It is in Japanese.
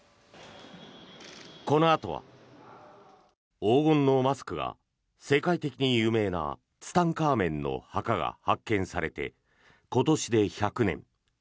このあとは、黄金のマスクが世界的に有名なツタンカーメンの墓が発見されて今年で１００年。